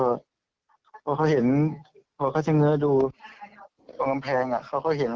มันก็ฉุกเฉยพอไปเลยตะโกนเรียกข้างบ้าน